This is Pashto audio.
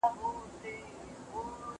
ایا د اوسنۍ زمانې حالات پر تاریخ تاثیر لري؟